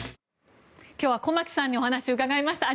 今日は駒木さんにお話をお伺いしました。